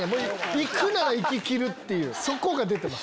行くなら行ききるっていうそこが出てました。